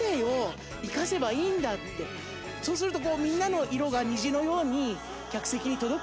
そうすると。